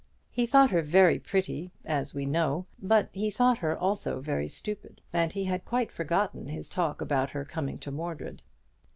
He thought her very pretty, as we know, but he thought her also very stupid; and he had quite forgotten his talk about her coming to Mordred.